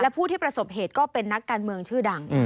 ผู้ที่ประสบเหตุก็เป็นนักการเมืองชื่อดัง